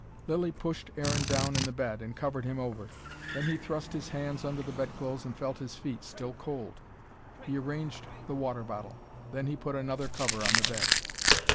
Lilly pushed Aaron down in the bed, and covered him over. Then he thrust his hands under the bedclothes and felt his feet still cold. He arranged the water bottle. Then he put another cover on the bed.